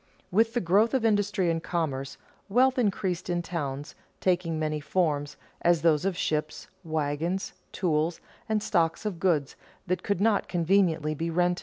With the growth of industry and commerce, wealth increased in towns, taking many forms, as those of ships, wagons, tools, and stocks of goods, that could not conveniently be rented.